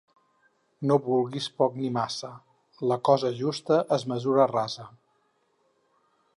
No vulguis poc ni massa; la cosa justa és mesura rasa.